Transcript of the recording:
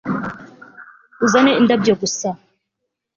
uzane indabyo gusa